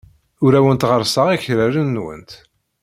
Ur awent-ɣerrseɣ akraren-nwent.